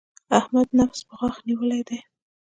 احمد نفس په غاښ نيولی دی.